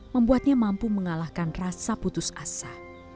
membuatnya mampu mengalahkan rasa putus asa